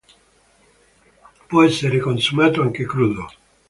Può essere consumato anche crudo.